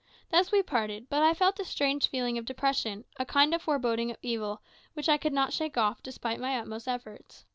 Thus we parted; but I felt a strange feeling of depression, a kind of foreboding of evil, which I could not shake off, despite my utmost efforts.